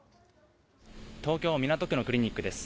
東京港区のクリニックです。